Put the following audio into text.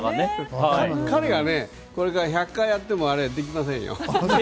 彼がこれから１００回やってもあれ、できませんよ。